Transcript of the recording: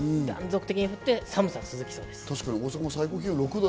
断続的に降って、寒さが続きそうです。